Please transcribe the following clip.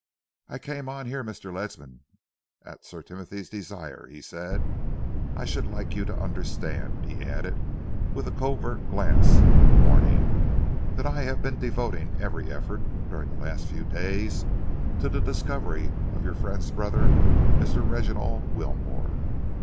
"I came on here, Mr. Ledsam, at Sir Timothy's desire," he said. "I should like you to understand," he added, with a covert glance of warning, "that I have been devoting every effort, during the last few days, to the discovery of your friend's brother, Mr. Reginald Wilmore."